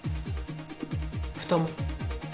蓋も。